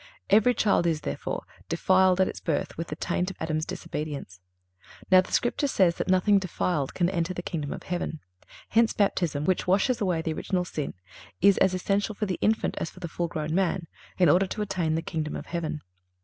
Every child is, therefore, defiled at its birth with the taint of Adam's disobedience. Now, the Scripture says that nothing defiled can enter the kingdom of heaven.(344) Hence Baptism, which washes away original sin, is as essential for the infant as for the full grown man, in order to attain the kingdom of heaven.